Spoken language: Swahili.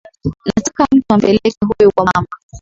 Nataka mtu ampeleke huyu kwa mama